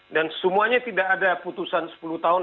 semuanya tidak ada putusan sepuluh tahun